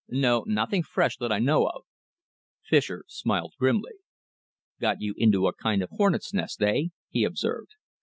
No, nothing fresh that I know of." Fischer smiled grimly. "Got you into a kind of hornets' nest, eh?" he observed.